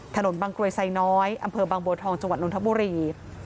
ถนนบางตรวยไซน้อยอำเภอบางบวทองจนธบุรี